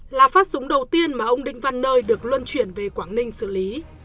là phát súng đầu tiên mà ông đinh văn nơi được luân chuyển về quảng ninh xử lý